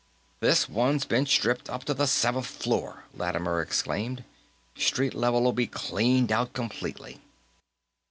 "This one's been stripped up to the seventh floor!" Lattimer exclaimed. "Street level'll be cleaned out, completely."